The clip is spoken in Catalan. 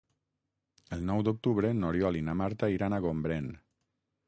El nou d'octubre n'Oriol i na Marta iran a Gombrèn.